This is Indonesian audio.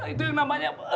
itu yang namanya